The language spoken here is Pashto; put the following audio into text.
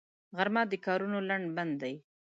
غرمه د کارونو لنډ بند دی